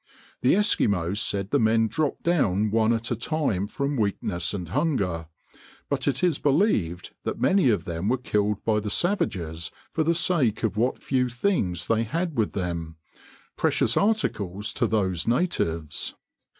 The Eskimos said the men dropped down one at a time, from weakness and hunger; but it is believed that many of them were killed by the savages for the sake of what few things they had with them—precious articles to those natives.